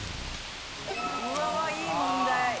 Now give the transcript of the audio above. うわぁいい問題。